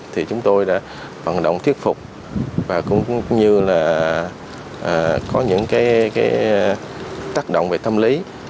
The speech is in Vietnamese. thì chúng tôi đã vận động thuyết phục và cũng như là có những cái tác động về tâm lý